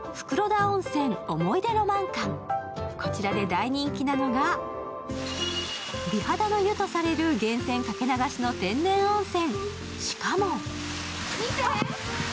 こちらで大人気なのが美肌の湯とされる源泉かけ流しの天然温泉。